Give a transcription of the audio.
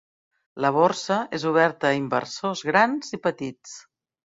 La Borsa és oberta a inversors grans i petits.